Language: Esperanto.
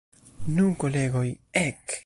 Nu, kolegoj, ek!